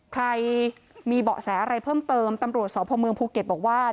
ใครมีเบาะแสอะไรเพิ่มเติมตำรวจสพเมืองภูเก็ตบอกว่า